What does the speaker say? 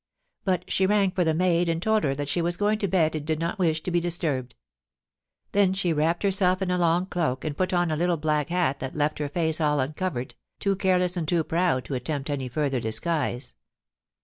But she rang for the maid and told her that she was going to bed and did not wish to be disturbed ; then she wrapped herself in a long cloak, and put on a little black hat that left her face all uncovered, too careless and too proud to attempt any further disguise.